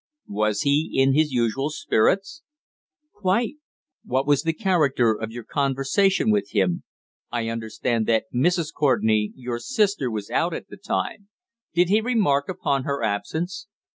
"Was he in his usual spirits?" "Quite." "What was the character of your conversation with him? I understand that Mrs. Courtenay, your sister, was out at the time. Did he remark upon her absence?"